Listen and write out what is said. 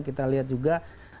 kita lihat juga